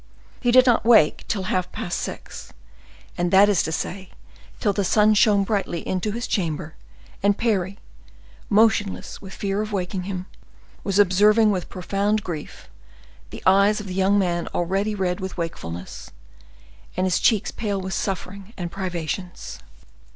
He did not wake till half past six, that is to say, till the sun shone brightly into his chamber, and Parry, motionless with fear of waking him, was observing with profound grief the eyes of the young man already red with wakefulness, and his cheeks pale with suffering and privations.